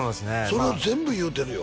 それを全部言うてるよ